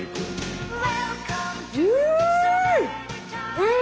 うん！